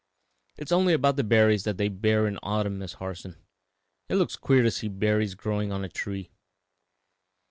"It is only about the red berries that they bear in autumn, Miss Harson; it looks queer to see berries growing on a tree."